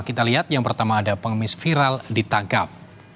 kita lihat yang pertama ada pengemis viral ditangkap